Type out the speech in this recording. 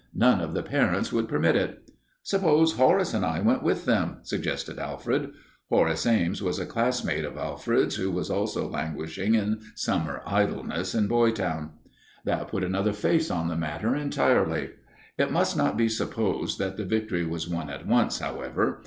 None of the parents would permit it." "Suppose Horace and I went with them," suggested Alfred. Horace Ames was a classmate of Alfred's who was also languishing in summer idleness in Boytown. That put another face on the matter entirely. It must not be supposed that the victory was won at once, however.